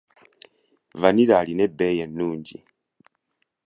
Vanilla alina ebbeeyi ennungi.